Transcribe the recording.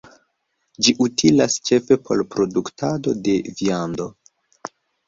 Ĝi utilas ĉefe por produktado de viando.